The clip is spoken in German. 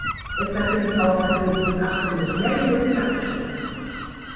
Deshalb bin auch ich dafür, dieses Abkommen so schnell wie möglich abzuschließen.